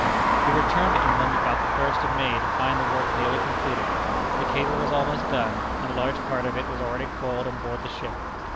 He returned to England about the first of May to find the work nearly completed. The cable was almost done, and a large part of it was already coiled on board the ship.